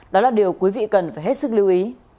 đó là điều quý vị cần phải hết sức lưu ý